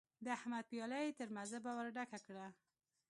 د احمد پياله يې تر مذبه ور ډکه کړه.